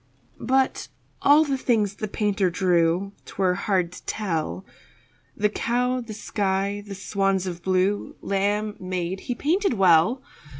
But all the things the painter drew 'Twere hard to tell The cow, the sky, the swans of blue, Lamb, maid, he painted well.